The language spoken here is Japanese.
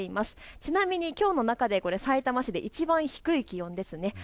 ちなみにきょうの中で埼玉でいちばん低い気温です。